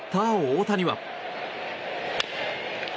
大谷は。